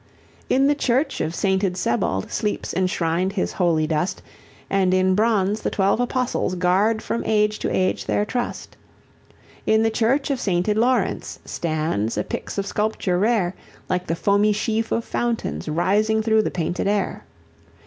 In the church of sainted Sebald sleeps enshrined his holy dust, And in bronze the Twelve Apostles guard from age to age their trust; In the church of sainted Lawrence stands a pix of sculpture rare, Like the foamy sheaf of fountains rising through the painted air.